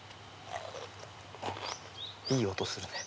いい音するね。